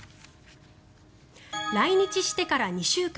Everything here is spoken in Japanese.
来日してから２週間。